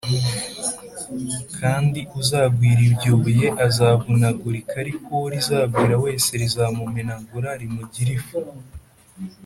kandi uzagwira iryo buye azavunagurika, ariko uwo rizagwira wese, rizamumenagura rimugire ifu